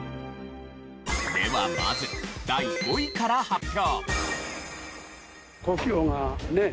ではまず第５位から発表。